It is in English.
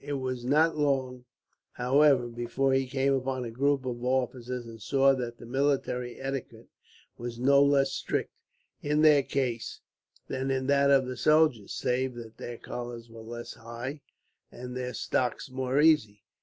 It was not long, however, before he came upon a group of officers, and saw that the military etiquette was no less strict, in their case, than in that of the soldiers, save that their collars were less high, and their stocks more easy.